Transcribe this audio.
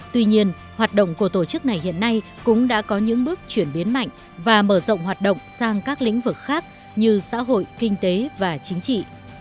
tuy nhiên hoạt động của tổ chức này hiện nay cũng đã có những bước chuyển biến mạnh và mở rộng hoạt động sang các lĩnh vực khác như xã hội kinh tế và chính trị